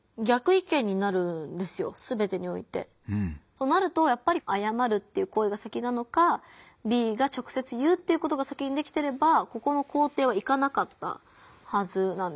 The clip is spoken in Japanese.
そうなるとやっぱり「謝る」という行為が先なのかＢが直接言うっていうことが先にできてればここの工程はいかなかったはずなんです。